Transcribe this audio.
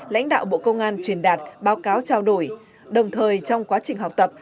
lãnh đạo bộ công an truyền đạt báo cáo trao đổi đồng thời trong quá trình học tập